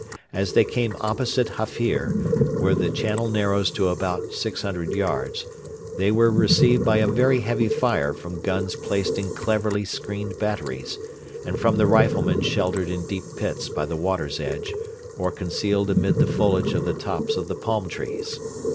As they came opposite Hafir, where the channel narrows to about 600 yards, they were received by a very heavy fire from guns placed in cleverly screened batteries, and from the riflemen sheltered in deep pits by the water's edge or concealed amid the foliage of the tops of the palm trees.